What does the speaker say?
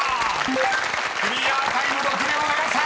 ［クリアタイム６秒７３！］